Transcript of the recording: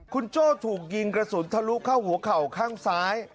คุณโจ้ถูกยิงกระสุนทะลุเข้าหัวเข่าข้างซ้าย